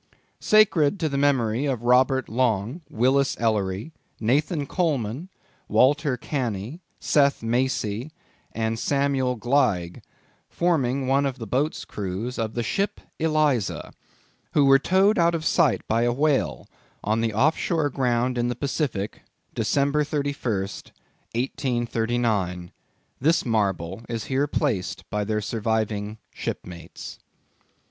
SACRED TO THE MEMORY OF ROBERT LONG, WILLIS ELLERY, NATHAN COLEMAN, WALTER CANNY, SETH MACY, AND SAMUEL GLEIG, Forming one of the boats' crews OF THE SHIP ELIZA Who were towed out of sight by a Whale, On the Off shore Ground in the PACIFIC, December 31_st_, 1839. THIS MARBLE Is here placed by their surviving SHIPMATES.